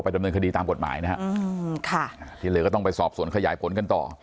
ไปดำเนินคดีตามกฎหมายนะฮะทีเหลือก็ต้องไปสอบส่วนขยายผลกันต่อ